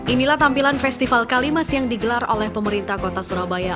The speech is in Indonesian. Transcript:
inilah tampilan festival kalimas yang digelar oleh pemerintah kota surabaya